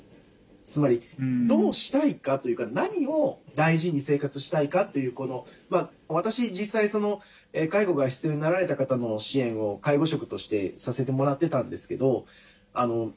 つまりどうしたいかというか何を大事に生活したいかという私実際介護が必要になられた方の支援を介護職としてさせてもらってたんですけどそういったものですね